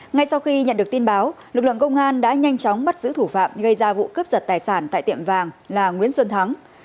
ngay sau khi nhận được tin báo lực lượng công an đã nhanh chóng bắt giữ thủ phạm gây ra vụ cướp giật tài sản tại tiệm vàng là nguyễn xuân thắng